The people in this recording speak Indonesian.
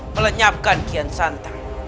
melenyapkan kian santa